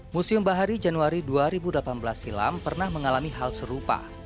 museum bahari januari dua ribu delapan belas silam pernah mengalami hal serupa